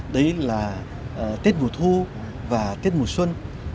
đấy là tết mùa thu và tết mùa xuân